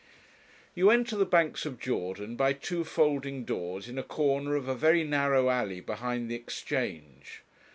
You enter the 'Banks of Jordan' by two folding doors in a corner of a very narrow alley behind the Exchange.